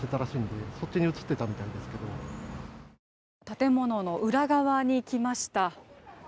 建物の裏側にきました。